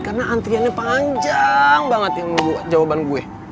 karena antriannya panjang banget yang nunggu jawaban gue